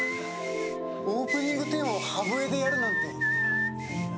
オープニングテーマを歯笛でやるなんて。